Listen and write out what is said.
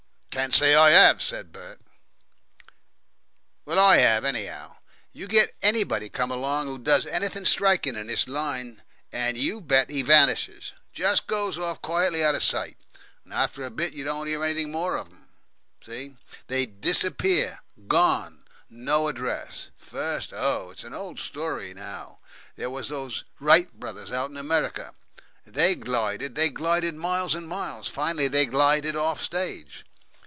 "Can't say I 'ave," said Bert. "Well, I 'ave, anyhow. You get anybody come along who does anything striking in this line, and, you bet, he vanishes. Just goes off quietly out of sight. After a bit, you don't hear anything more of 'em at all. See? They disappear. Gone no address. First oh! it's an old story now there was those Wright Brothers out in America. They glided they glided miles and miles. Finally they glided off stage.